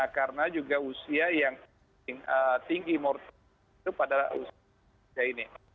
karena juga usia yang tinggi mortal itu pada usia ini